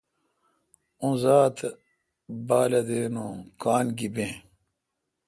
اوں زاتہ بالہ دین اوںکان گیبیں۔۔